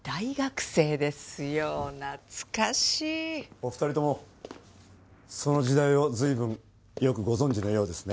お二人ともその時代を随分よくご存じのようですね。